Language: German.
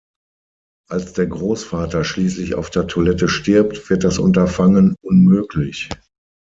Als der Großvater schließlich auf der Toilette stirbt, wird das Unterfangen unmöglich.